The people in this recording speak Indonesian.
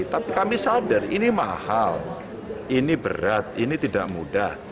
tapi kami sadar ini mahal ini berat ini tidak mudah